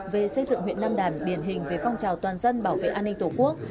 về xây dựng huyện nam đàn điển hình về phong trào toàn dân bảo vệ an ninh tổ quốc